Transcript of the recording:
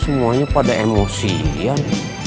semuanya pada emosian